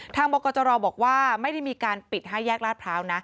บกจรบอกว่าไม่ได้มีการปิด๕แยกลาดพร้าวนะ